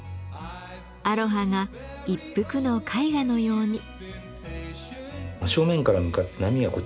アロハが一幅の絵画のように。